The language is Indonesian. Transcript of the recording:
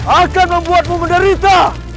akan membuatmu menderita